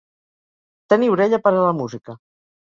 Tenir orella per a la música.